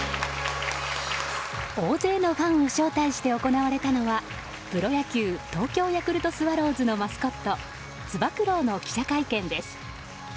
大勢のファンを招待して行われたのはプロ野球東京ヤクルトスワローズのマスコットつば九郎の記者会見です。